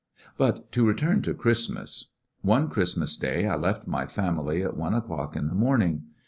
Bnt to return to Christmas. One Christmas A safe bet day I left my family at one o'clock in the morning.